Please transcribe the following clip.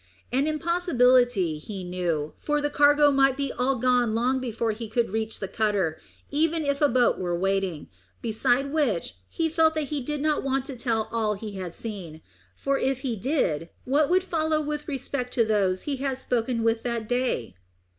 An impossibility, he knew, for the cargo might be all gone long before he could reach the cutter, even if a boat were waiting; beside which, he felt that he did not want to tell all he had seen, for if he did, what would follow with respect to those he had spoken with that day?